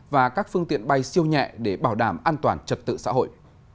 và các phương tiện bay siêu nhẹ để bảo đảm an toàn trật tự xã hội